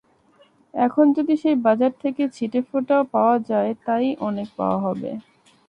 এখন যদি সেই বাজার থেকে ছিটেফোঁটাও পাওয়া যায়, তা-ই অনেক পাওয়া হবে।